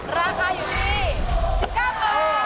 ราคาอยู่ที่๑๙บาท